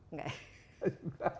nggak juga tuh